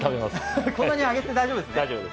こんなにあげて大丈夫ですか。